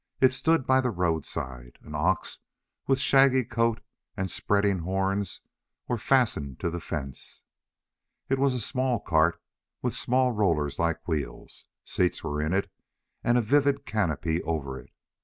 It stood by the roadside. An ox with shaggy coat and spreading horns was fastened to the fence. It was a small cart with small rollers like wheels. Seats were in it and a vivid canopy over it.